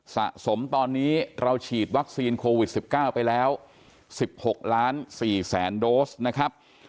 สะสมตอนนี้เราฉีดวัคซีนโควิด๑๙ไปแล้ว๑๖ล้าน๔แสนโดสนะครับ